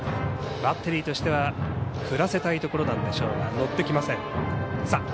バッテリーとしては振らせたいところなんでしょうが乗ってきません。